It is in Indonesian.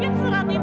kamu yang bikin